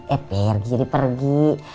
eh pergi jadi pergi